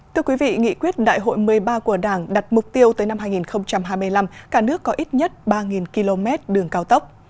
thưa quý vị nghị quyết đại hội một mươi ba của đảng đặt mục tiêu tới năm hai nghìn hai mươi năm cả nước có ít nhất ba km đường cao tốc